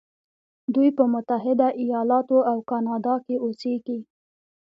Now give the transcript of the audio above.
دوی په متحده ایلاتو او کانادا کې اوسیږي.